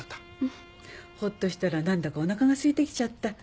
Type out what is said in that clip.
ほっとしたら何だかおなかがすいてきちゃった。